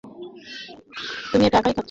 তুমি একা একাই খাচ্ছো।